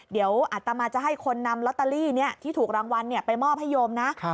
เดี๋ยวอัตมาจะให้คนนำลอตเตอรี่ที่ถูกรางวัลไปมอบให้โยมนะ